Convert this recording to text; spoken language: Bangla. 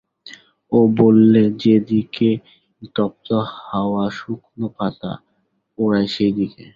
ও বললে, যে দিকে তপ্ত হাওয়া শুকনো পাতা ওড়ায় সেই দিকে।